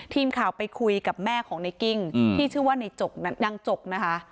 ทีมข่าวไปคุยกับแม่ของในกิ้งที่ชื่อว่าในนางจกนะคะ